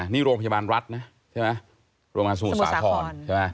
นี่โรงพยาบาลรัฐนะโรงพยาบาลสู่สาคร